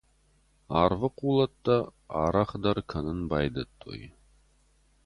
Арвы хъулӕттӕ арӕхдӕр кӕнын байдыдтой.